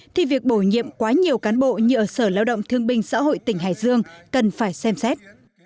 thì việc bổ nhiệm quá nhiều cán bộ như ở sở lao động thương binh xã hội tỉnh hải dương cần phải xem xét